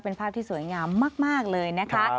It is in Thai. เป็นภาพที่สวยงามมากเลยนะคะ